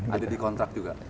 ada di kontrak juga